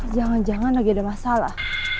jangan jangan lagi ada masalah